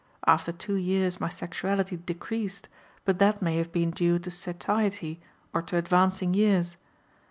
After two years my sexuality decreased, but that may have been due to satiety or to advancing years.